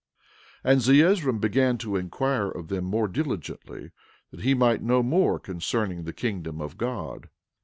12:8 And Zeezrom began to inquire of them diligently, that he might know more concerning the kingdom of God.